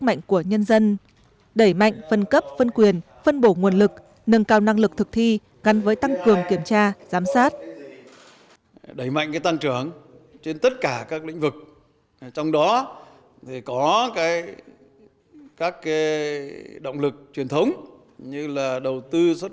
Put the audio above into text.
mạnh phân cấp phân quyền phân bổ nguồn lực nâng cao năng lực thực thi ngăn với tăng cường kiểm tra giám sát